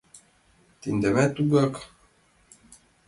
— Тендамат тугак.